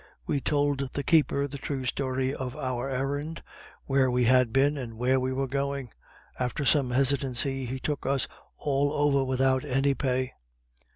We told the keeper the true story of our errand where we had been, and where we were going: after some hesitancy he took us all over without any pay.